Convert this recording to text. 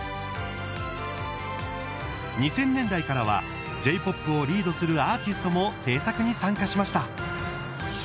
２０００年代からはＪ−ＰＯＰをリードするアーティストも制作に参加しました。